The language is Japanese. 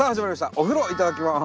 「お風呂いただきます」。